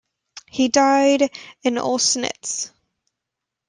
He died in Oelsnitz.